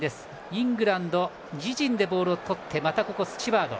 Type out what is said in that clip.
イングランド、自陣でボールをとってまたスチュワード。